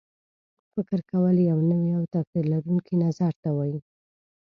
فکر کول یو نوي او توپیر لرونکي نظر ته وایي.